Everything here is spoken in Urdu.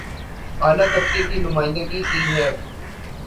اعلی طبقے کی نمائندگی کی ہے